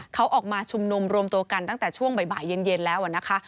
เขาออกมาชุมนุมรวมตัวกันตั้งแต่ช่วงบ่ายเย็นแล้วนะคะ